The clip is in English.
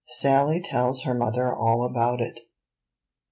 SALLY TELLS HER MOTHER ALL ABOUT IT.